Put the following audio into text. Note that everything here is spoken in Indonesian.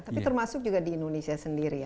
tapi termasuk juga di indonesia sendiri ya